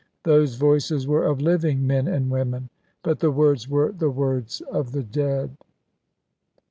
Those voices were of living men and women; but the words were the words of the dead.